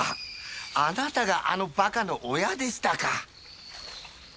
あなたがあの馬鹿の親でしたか。